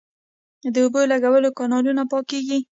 د اوبو لګولو کانالونه پاکیږي